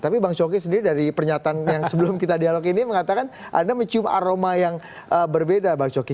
tapi bang coki sendiri dari pernyataan yang sebelum kita dialog ini mengatakan anda mencium aroma yang berbeda bang coki